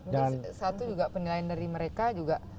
dan satu juga penilaian dari mereka juga